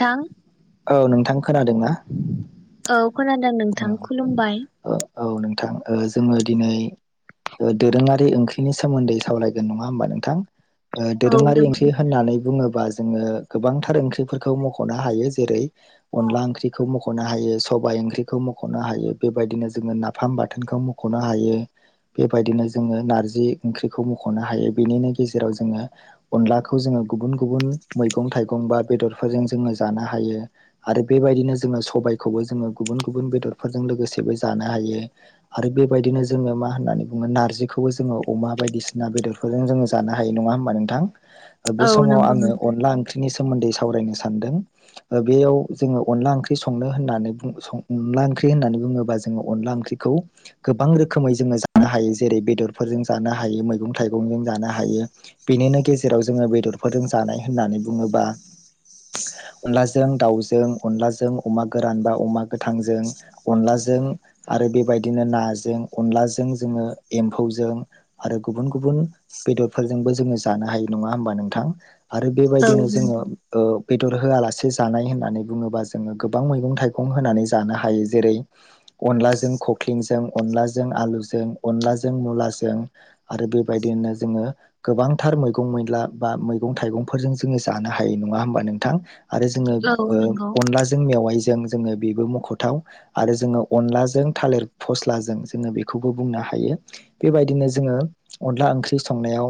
नोंथां। औ नोंथां खोनादों ना। औ। खोनादों नोंथां खुलुमबाय। औ नोंथां जोङो दिनै दोरोङारि ओंख्रिनि सोमोन्दै सावरायगोन नङा होमबा नोंथां। औ दोरोङारि नंगौ ओंख्रि होननानै बुङोबा। जोंङो गोबांथार ओंख्रिफोरखौ मखनो हायो जेरै अनला ओंख्रिखौ मखनो हायो सबायाइ ओंख्रिखौ। मखनो हायो बेबायदिनो जोंङो नाफाम बाथोनखौ मखनो हायो बेबायदिनो जोंङो नारजि ओंख्रिखौ मखनो हायो बेनिनो गेजेराव जोंङो अनलाखौ जोंङो गुबुन गुबुन मैगं थाइगं बा बेदरफोरजों जोंङो जानो हायो आरो बेबायदिनो जोंङो सबायखौ जोंङो गुबुन। गुबुन बेदरफोरजों लोगोसेबो जानो हायो आरो बेबायदिनो जोंङो मा होननानै बुङो नार्जिखौबो जोंङो अमा बायदिसिना बेदरफोरजों जोंङो जानो हायो नङा होमबा नोंथां। बे औ समाव नंगौ आंङो अनला ओंख्रिनि सायाव। सोमोन्दै सावरायनो सानदों बेयाव जोंङो अनला ओंख्रि संनो होननानै। अनला ओंख्रि होननानै बुङोब्ला जोंङो अनला ओंख्रिखौ गोबां रोखोमै जोंङो जानो हायो जेरै बेदरफोरजों जानो हायो मैगं थाइगंजों जानो हायो बेनिनो गेजेराव जोंङो बेदरफोरजों जानाय होननानै बुङोबा अनलाजों दाउजों अनलाजों अमा गोरान बा अमा। गोथांजों अनलाजों आरो बेबायदिनो नाजों अनलाजों जोंङो एम्फौजों आरो गुबुन गुबुन बेदरफोरजोंबो जोंङो जानो हायो नङा होमबा नोंथां। आरो औ बेबायदिनो जोंङो। बेदर होआलासे जानाय होननानै बुङोबा जोंङो गोबां मैगं थाइगं होनानै जा जानो हायो जेरै अनलाजों खख्लिंजों अनलाजों आलुजों अलाजों मुलाजों आरो बेबायदिनो जोंङो गोबांथार मैगं मैला बा मैगं थाइगंफोरजों जोंङो जानो हायो नङा होमबा नोंथां। आरो जोंङो औ नंगौ अनलाजों मेवाइजों। जोंङो बेबो। मखथाव आरो जोंङो अनलाजों थालिर फस्लाजों जोंङो बेखौबो बुंनो हायो बेबायदिनो जोंङो अनला ओंख्रि संनायाव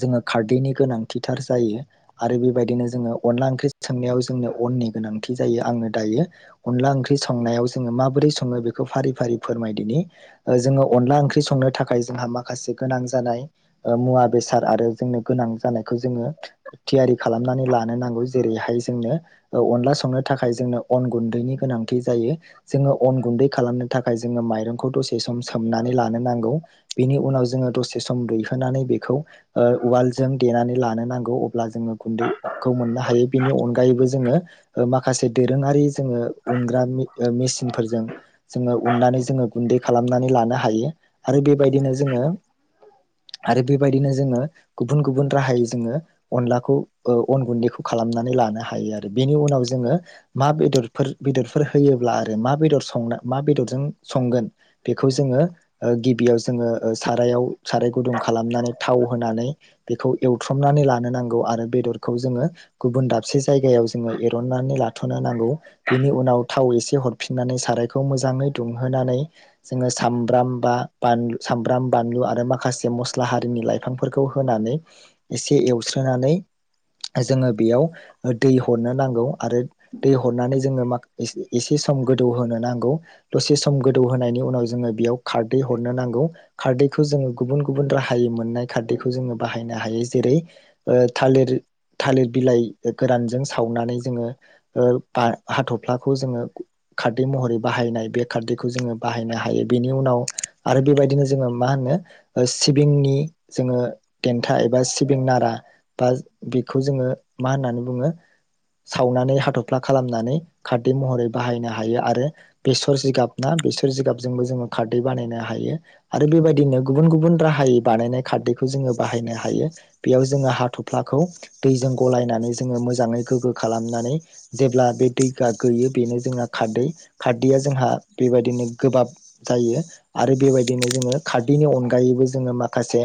जोंङो खारदैनि गोनांथिथार जायो आरो बेबायदिनो जोंङो अनला ओंख्रि संनायाव जोंनो अननि गोनांथि जायो आंङो दायो। अनला ओंख्रि संनायाव जोंङो माबोरै संङो बेखौ फारि फारि फोरमायदिनि जोंङो अनला ओंख्रि संनो थाखाय जोंहा माखासे गोनां जानाय मुवा बेसाद आरो जोंनो गोनां जानायखौ जोंङो थियारि खालामनानै लानो नांगौ जेरैहाय जोंनो अनला संनो थाखाय जोंनो अन गुन्दैनि। गोनांथि जायो जोंङो अन गुन्दै खालामनो थाखाय जोंङो माइरंखौ दसे सम सोमनानै लानो नांगौ बेनि उनाव जोंङो दसे सम रुयहोनानै बेखौ उवालजों देनानै लानो नांगौ अब्ला जोंङो गुन्दैखौ मोननो हायो बेनि अनगायैबो जोंङो माखासे दोरोङारि जोंङो। उनग्रा मेसिनफोरजों। जोंङो उननानै जोंङो। गुन्दै खालामनानै लानो हायो आरो बेबायदिनो जोंङो आरो बेबायदिनो जोंङो गुबुन गुबुन राहायै जोंङो अनलाखौ ओ अन गुन्दैखौ खालामनानै लानो हायो आरो बेनि उनाव जोंङो मा बेदरफोर। बेदरफोर होयोब्ला आरो मा बेदर संना मा बेदरजों संगोन बेखौ जोंङो गिबियाव जोंङो ओ सारायाव साराय गुदुं खालामनानै थाव होनानै बेखौ एवथ्रमनानै लानो नांगौ आरो बेदरखौ जोंङो गुबुन दाबसे जायगायाव जोंङो एरननानै लाथनो नांगौ। बिनि उनाव थाव एसे हरफिननानै सारायखौ मोजाङै दुंहोनानै जोंङो सामब्राम बा सामब्राम बानलु आरो माखासे मस्ला हारिनि लाइफांफोरखौ होनानै एसे एवस्रोनानै। जोंङो बेयाव ओ दै हरनो नांगौ। आरो दै हरनानै। जोङो माख एसे सम गोदौ होनोनो नांगौ दसे सम गोदौ होनायनि उनाव जोङो बेयाव खारदै हरनो नांगौ खारदैखौ जोङो गुबुन गुबुन राहायै मोननाय खारदैखौ जोङो बाहायनो हायो जेरै ओ थालिर थालिर बिलाइ गोरानजों सावनानै जोङो ओ बा हाथ'फ्लाखौ जोङो खारदै महरै बाहायनाय बे खारदैखौ जोङो बाहायनो हायो बेनि उनाव आरो बेबायदिनो जोङो मा होनो ओ सिबिंनि जोङो देन्था एबा सिबिं नारा बा बेखौ जोङो मा होननानै बुङो सावनानै हाथ'फ्ला खालामनानै खारदै महरै बाहायनो हायो आरो बेसर जिगाब ना बेसर जिगाब जोंबो जोङो खारदै बानायनो हायो आरो बेबायदिनो गुबुन गुबुन राहायै बानायनाय खारदैखौ जोङो बाहायनो हायो बेयाव जोङो हाथ'फ्लाखौ दैजों गलायनानै जोङो मोजाङै गोग्गो खालामनानै जेब्ला बे बे गा गोयो बेनो जोंना खारदै खारदैया जोंहा बेबायदिनो गोबाब जायो आरो बेबायदिनो जोङो खारदैनि अनगायैबो जोङो माखासे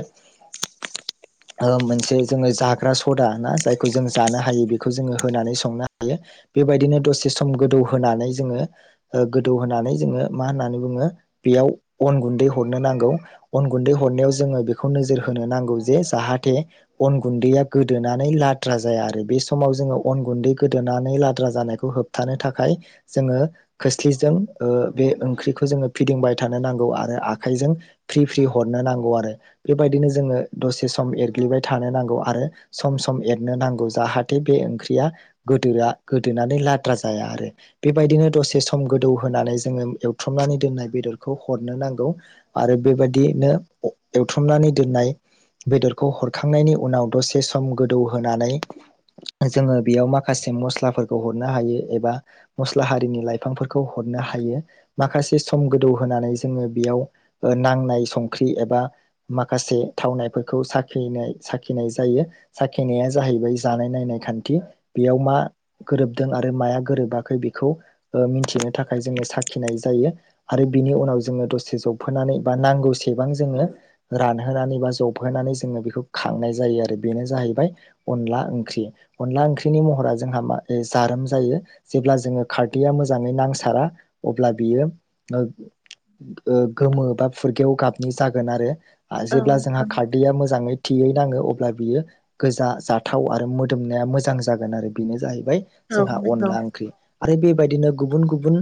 ओ मोनसे जोङो जाग्रा सदा ना जायखौ जों जानो हायो बेखौ जोङो होनानै संनो हायो बेबायदिनो दसे सम गोदौ होनोनानै जोङो ओ गोदौ होनानै जोङो मा होननानै बुङो बेयाव अन गुन्दै हरनो नांगौ अन गुन्दै हरनायाव जोङो बेखौ नोजोर होनो नांगौ जे जाहाथे अन गुन्दैया गोदोनानै लाद्रा जाया आरो बे समाव जोङो अन गुन्दै गोदोनानै लाद्रा जानायखौ होबथानो थाखाय जोङो खोस्लिजों ओ बे ओंख्रिखौ जोङो फिदिंबाय थानो नांगौ आरो आखाइजों फ्रि फ्रि हरनो नांगौ आरो बेबायदिनो जोङो दसे सम एरग्लिबाय थानो नांगौ आरो सम सम एरनो नांगौ जाहाथे बे ओंख्रिया गोदोआ गोदोनानै ला द्रा जाया आरो बेबायदिनो दसे सम गोदौ होनानै जोङो एवथ्रुमनानै दोननाय बेदरखौ हरनो नांगौ आरो बेबायदिनो एवथ्रुमनानै दोननाय बेदरखौ हरखांनायनि उनाव दसे सम गोदौ होनानै जोङो बेयाव माखासे मस्लाफोरखौ हरनो हायो एबा मस्ला हारिनि लाइफांफोरखौ हरनो हायो माखासे सम गोदौ होनानै जोङो बेयाव ओ नांनाय संख्रि एबा माखासे थावनायफोरखौ साखनाय साखिनाय जायो साखिनाया जाहैबाय जानाय नायनाय खान्थि बेयाव मा गोरोबदों आरो आरो माया गोरोबाखै बेखौ ओ मिथिनो थाखाय जोङो साखिनाय जायो आरो बिनि उनाव जोङो दसे जबहोनानै बा नांगौसेबां जोङो रानहोनानै बा जबहोनानै जोङो बेखौ खांनाय जायो आरो बेनो जाहैबाय अनला ओंख्रि अनला ओंख्रिनि महरा जोंहा मा जारोम जायो जेब्ला जोङो खारदैया मोजाङै नांसारा अब्ला बियो ओ ओ गोमो बा फुरगेव गाबनि जागोन आरो आ औ जेब्ला जोंहा नंगौ खारदैया मोजाङै थियै नाङो अब्ला बियो गोजा जाथाव आरो मोदोमनाया मोजां जागोन आरो बेनो जाहैबाय औ जोंहा नंगौ अनला ओंख्रि आरो बे बायदिनो गुबुन गुबुन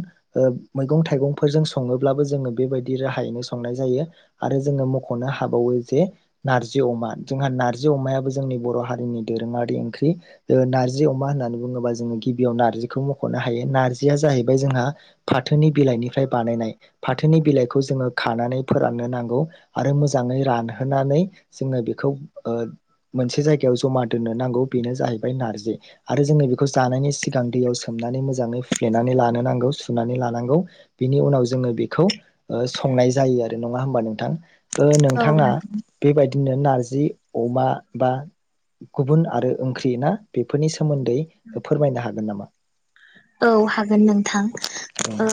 मैगं थाइगंफोरजों सङोब्लाबो जोङो बेबायदि राहायैनो संनाय जायो आरो जोङो मख'नो हाबावो जे नारजि अमा जोंहा नारजि अमायाबो जोंनि बर' हारिनि दोरोङारि ओंख्रि नारजि अमा होननानै बुङोबा जोङो गिबियाव नारजिखौ मख'नो हायो नारजिया जाहैबाय जोंहा फाथोनि बिलाइनिफ्राय बानायनाय फाथोनि बिलाइखौ जोङो खानानै फोराननो नांगौ आरो मोजाङै रानहोनानै जोङो बेखौ मोनसे जायगायाव जमा दोननो नांगौ बेनो जाहैबाय नारजि आरो जोङो बेखौ जानायनि सिगां दैयाव सोमनानै मोजाङै हुफ्लेनानै लानो नांगौ सुनानै लानांगौ बिनि उनाव जोङो बेखौ संनाय जायो आरो नङा होमबा नोंथां? ओ औ नोंथाङा बेबायदिनो नारजि जि अमा बा गुबुन आरो ओंख्रि ना बेफोरनि सोमोन्दै फोरमायनो हा गोन नामा? औ हागोन नोंथां औ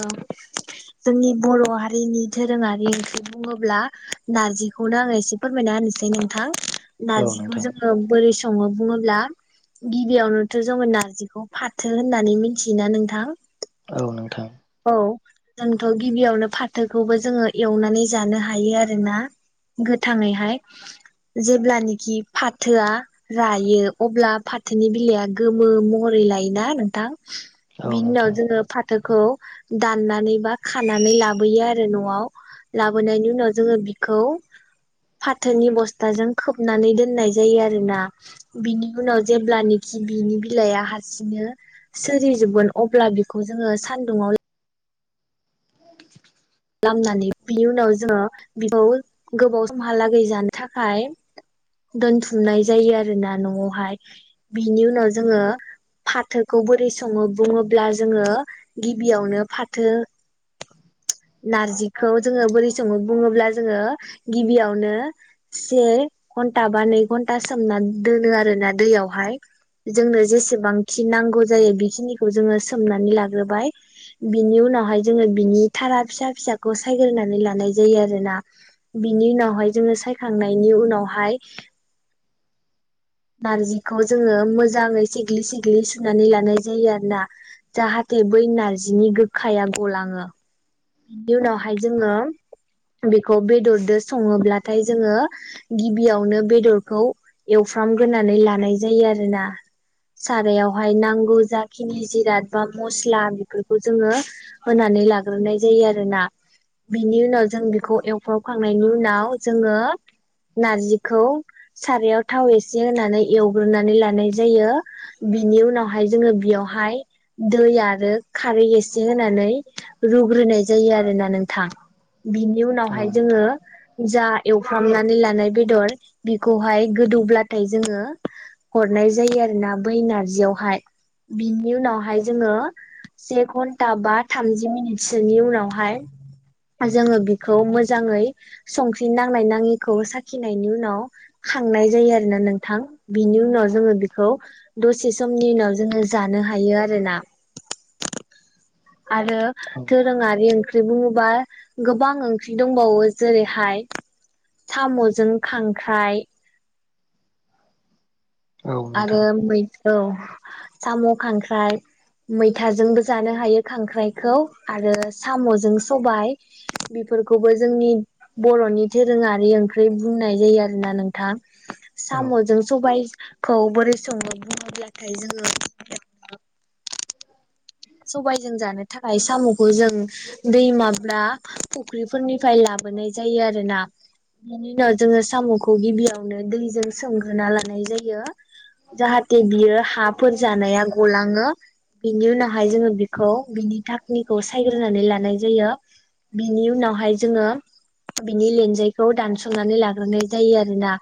जोंनि बर' हारिनि दोरोङारिखौ बुङोब्ला नारजिखौनो आङो एसे फोरमायना होनोसै नोंथां। औ नारजिखौ नोंथां जोङो बोरै सङो बुङोब्ला गिबियावनोथ' जोङो नारजिखौ फाथो होननानै मि थियो ना नोंथां? औ नोंथां। औ जोंथ' गिबियावनो फाथोखौबो जोङो एवनानै जानो हायो आरोना, गोथाङैहाय जेब्लानखि फाथोआ रायो अब्ला फाथोनि बिलाइआ गोमो महरै लायोना नोंथां? औ बिनि उनाव नोंथां जोङो फा थोखौ दाननानै बा खानानै लाबोयो आरो न'आव लाबोनायनि उनाव जोङो बिखौ फाथोनि बस्थाजों खोबनानै दोननाय जायो आरोना, बिनि उनाव जेब्लानखि बिनि बिलाइआ हारसिंनो सोरिजोबगोन अब्ला बिखौ जोङो सानदुंआव [inaudible] लामनानै बिनि उनाव जोङो बेखौ गोबाव समहालागै जानो थाखाय दोनथुमनाय जायो आरोना न'आवहाय, बिनि उनाव जोङो फाथोखौ बोरै सङो बुङोब्ला जोङो गिबियावनो फाथो नारजिखौ जोङो बोरै समो बुङोब्ला जोङो गिबियावनो से घन्टा बा नै घन्टा सोमना दोनो आरो ना दैयावहाय जोंनो जेसेबांखि नांगौ जायो बेखिनिखौ जोङो सोमनानै लाग्रोबाय बिनि उनावहाय जोङो बिनि थारा फिसा फिसाखौ सायग्रानै लानाय जायो आरो ना बिनि उनावहाय जोङो सायखांनायनि उनावहाय [inaudible] नारजिखौ जोङो मोजाङै सिग्लि सिग्लि सुनानै लानाय जायो आरो ना जाहाथे बै नार्जिनि गोखाया गलाङो। बिनि उनावहाय जोङो बेखौ बेदरदो सङोब्लाथाय जोङो गिबियावनो बेदरखौ एवफ्रामग्रोनानै लानाय जायो आरो ना, सारायावहाय नांगौ जाखिनि जिराद बा मस्ला बेफोरखौ जोङो होनानै लाग्रोनाय जायो आरोना बिनि उनाव जोङो बेखौ एवफ्रामखांनायनि उनाव जोङो नार्जिखौ सारायाव थाव एसे होनानै एवग्रोनानै लानाय जायो बिनि उनावहाय जोङो बियावहाय दै आरो खारै एसे होनानै रु ग्रोनाय जायो आरो ना नोंथां। बिनि औ उनावहाय जोङो। नोंथां जा एवफ्रामनानै लानाय बेदर बेखौहाय गोदौब्लाथाय जोङो हरनाय जायो आरो ना बै नारजियावहाय बिनि उनावहाय जोङो से घन्टा बा थामजि मिनिट सोरनि उनावहाय जोङो बिखौ मोजाङै संख्रि नांनाय नाङिखौ साखिनायनि उनाव खांनाय जायो आरोना नोंथां बिनि उनाव जोङो बेखौ दसे समनि उनाव जोङो जानो हायो आरोना। आरो औ दोरोङारि ओंख्रि बुङोबा गोबां ओंख्रि दंबावो जेरैहाय साम'जों खांख्राइ औ नोंथां आरो मै औ साम' खांख्राइ मैथाजोंबो जानो हायो खांख्राइखौ आरो साम'जों सबाय बेफोरखौबो जोंनि बर'नि दोरोङारि ओंख्रि बुंनाय जायो आरोना नोंथां। औ साम'जों सबाय खौ बोरै सङोनो बुङोब्लाथाय जोङो सबायजों जानो थाखाय साम'खौ जों दै माब्ला फुख्रिफोरनिफ्राय लाबोनाय जायो आरोना बेनि उनाव जोङो साम'खौ गिबियावनो दैजों सोमग्रोना लानाय जायो जाहाथे बियो हाफोर जानाया गलाङो बेनि उनाव [unintelligible] जोङो बेखौ बिनि था [unintelligible] खौ सायग्रोनानै लानाय जायो बिनि उनावहाय जोङो बिनि लेनजायखौ दानस'नानै लाग्रोनाय जायो आरोना,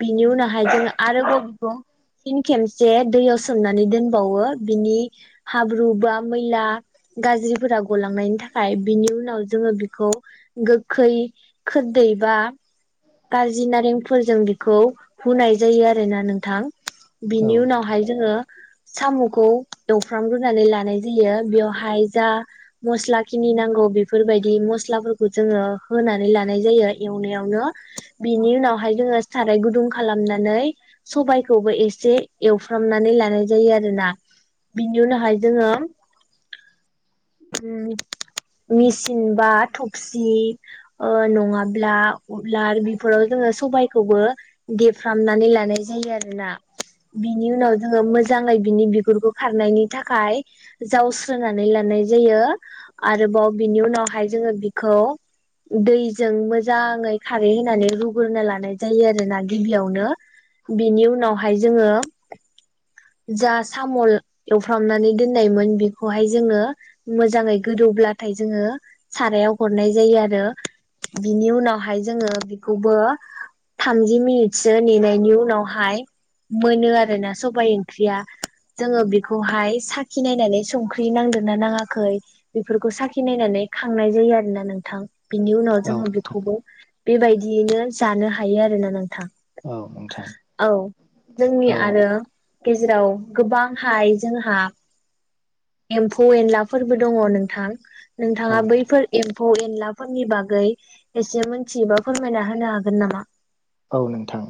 बिनि उनावहाय जोङो आरोबाव बेखौ फिन खेमसे दैयाव सोमनानै दोनबावो बिनि हाब्रु बा मैला गाज्रिफोरा गलांनायनि थाखाय बिनि उनाव जोङो बिखौ गोखै खोरदै बा खारज्रि नारेंफोरजों बिखौ हुनाय जायो आरोना नोंथां। औ बिनि नोंथां उनावहाय जोङो साम'खौ द एवफ्रामग्रोनानै लानाय जायो बेवहाय जा मस्ला खिनि नांगौ बेफोरबायदि मस्लाफोरखौ जोङो होनानै लानाय जायो एवनायावनो बिनि उनावहाय जोङो साराय गुदुं खालामनानै सबाइखौबो एसे एवफ्रामनानै लानाय जायो आरोना। बिनि उनावहाय जोङो [inaudible] उम मेसिन बा थबसि नङाब्ला उवाल बेफोराव जोङो सबाइखौबो देफ्रामनानै लानाय जायो आरोना, बिनि उनाव जोङो मोजाङै बिनि बिगुरखौ खारनायनि थाखाय जावस्रोनानै लानाय जायो आरोबाव बिनि उनावहाय जोङो बिखौ दैजों मोजाङै खारै होनानै रुग्रोना लानाय जायो आरोना गिबियावनो, बिनि उनावहाय जोङो जा सामल एवफ्रामनानै दोननायमोन बेखौहाय जोङो मोजाङै गोदौब्लाथाय जोङो सारायाव हरनाय जायो आरो बिनि उनावहाय जोङो बेखौबो थामजि मिनिटसो नेनायनि उनावहाय मोनो आरोना सबाइ ओंख्रिया जोङो बे खौहाय साखि नायनानै संख्रि नांदोंना नाङाखै बेफोरखौ साखि नायनानै खांनाय जायो आरो ना नोंथां। बिनि उनाव औ जोङो नोंथां बेखौबो बेबायदियैनो जानो हायो आरोना नोंथां औ नोंथां । औ जोंनि औ आरो गेजेराव गोबांहाइ जोंहा एम्फौ एनलाफोरबो दङ नोंथां । नोंथाङा औ बैफोर एम फौ-एनलाफोरनि बागै एसे मोनथियोबा फोरमायना होनो हागोन नामा? औ नोंथां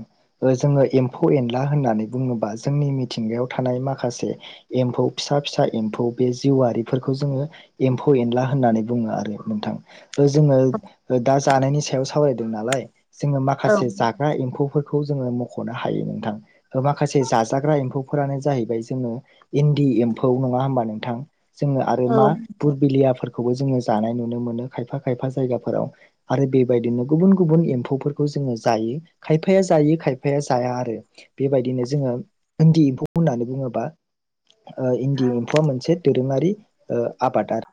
जोंङो एम्फौ एनला होननानै बुङोबा जोंनि मिथिंगायाव थानाय माखासे एम्फौ फिसा फिसा एम्फौ बे जिउआरिफोरखौ जोंङो एम्फौ एनला होननानै बुङो आरो नोंथां ओ जोंङो दा जानायनि सायाव सावरायदों नालाय । जोंङो औ माखासे एम्फौफोरखौ जोंङो मख'नो हायो नोंथां माखासे जाजाग्रा एम्फौफोरानो जाहैबाय जोंङो इन्दि एम्फौ नङा होमबा नोंथां? जोंङो आरो मा औ बुरबिलियाफोर खौबो जोंङो जानाय नुनो मोनो खायफा खायफा जायगाफोराव आरो बेबायदिनो गुबुन गुबुन एम्फौफोरखौ जोंङो जायो खायफाया जायो खायफाया जाया आरो बेबायदिनो जोंङो इन्दि एम्फौ होननानै बुङोबा ओ इन्दि एम्फौआ मोनसे [unintelligible] ओ आबादारि